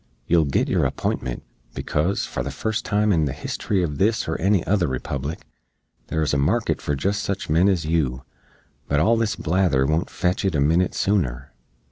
"Yoo'll git your apintment, becoz, for the fust time in the history uv this or any other Republic, there's a market for jist sich men ez yoo; but all this blather won't fetch it a minit sooner."